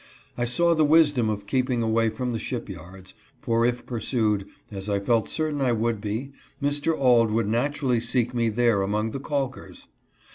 I saw the wisdom of keeping away from the ship yards, for, if pursued, as I felt certain I would be, Mr. Auld would naturally seek me there among the calk ers.